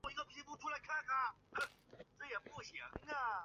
广星传讯或广星传讯有限公司是澳门第一间提供电话通讯服务的企业。